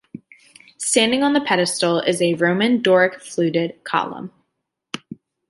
Standing on the pedestal is a Roman Doric fluted column.